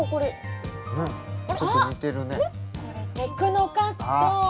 これテクノカット！